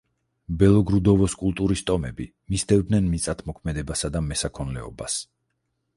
ბელოგრუდოვოს კულტურის ტომები მისდევდნენ მიწათმოქმედებასა და მესაქონლეობას.